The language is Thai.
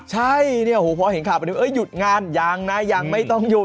ใช่เนี่ยพอเห็นข่าวปลอมหยุดงานยังนะยังไม่ต้องหยุด